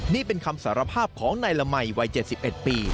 นี่เป็นคำสารภาพของนายละมัยวัย๗๑ปี